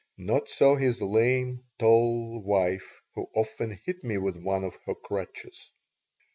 Not so his lame, tall wife, who often hit me with one of her crutches.